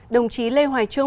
đồng chí lê hoài trung